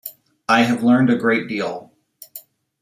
I have learned a great deal.